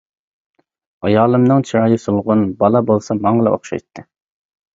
ئايالىمنىڭ چىرايى سولغۇن، بالا بولسا ماڭىلا ئوخشايتتى.